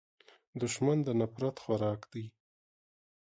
دښمن د نفرت خوراک دی